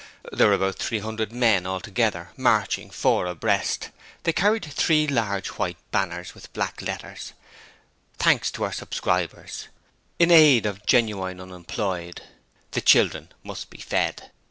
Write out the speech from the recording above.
There were about three hundred men altogether, marching four abreast. They carried three large white banners with black letters, 'Thanks to our Subscribers' 'In aid of Genuine Unemployed', 'The Children must be Fed'.